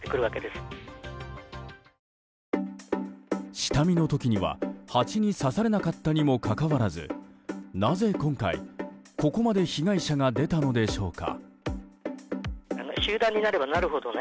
下見の時にはハチに刺されなかったにもかかわらずなぜ今回、ここまで被害者が出たのでしょうか。